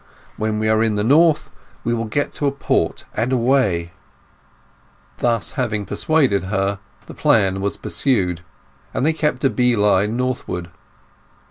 When we are in the north we will get to a port and away." Having thus persuaded her, the plan was pursued, and they kept a bee line northward.